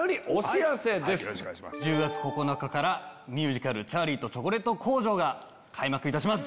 １０月９日からミュージカル『チャーリーとチョコレート工場』開幕します。